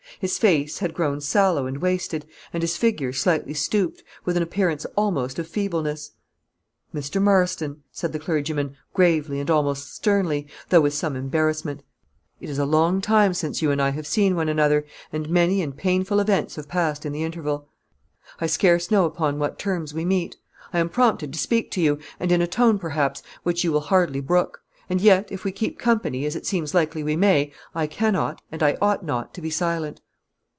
His face had grown sallow and wasted, and his figure slightly stooped, with an appearance almost of feebleness. "Mr. Marston," said the clergyman, gravely, and almost sternly, though with some embarrassment, "it is a long time since you and I have seen one another, and many and painful events have passed in the interval. I scarce know upon what terms we meet. I am prompted to speak to you, and in a tone, perhaps, which you will hardly brook; and yet, if we keep company, as it seems likely we may, I cannot, and I ought not, to be silent."